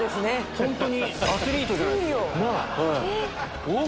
本当にアスリートじゃないですか？